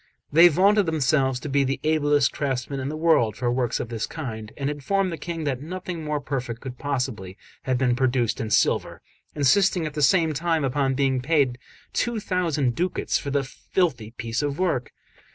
They vaunted themselves to be the ablest craftsmen in the world for works of this kind, and informed the King that nothing more perfect could possibly have been produced in silver, insisting at the same time upon being paid two thousand ducats for their filthy piece of work.